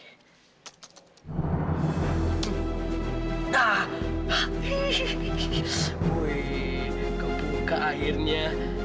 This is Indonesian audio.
wih den kebuka akhirnya